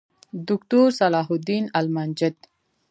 دوکتور صلاح الدین المنجد